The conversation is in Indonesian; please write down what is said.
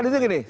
kan itu gini